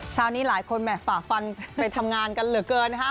เช้านี้หลายคนแห่ฝ่าฟันไปทำงานกันเหลือเกินนะคะ